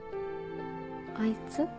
あいつ？